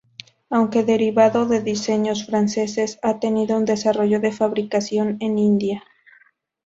Aunque derivado de diseños franceses, ha tenido un desarrollo de fabricación en India.